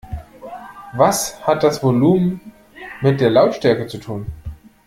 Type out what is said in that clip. Was hat das Volumen mit der Lautstärke zu tun?